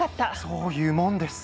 そういうもんです。